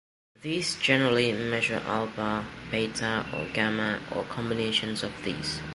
These generally measure alpha, beta or gamma, or combinations of these.